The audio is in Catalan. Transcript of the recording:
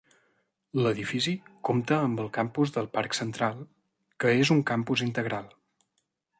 L'edifici compta amb el Campus del Parc Central, que és un campus integral.